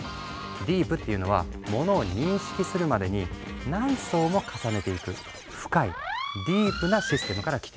ディープっていうのはモノを認識するまでに何層も重ねていく「深い」「ディープ」なシステムから来ている。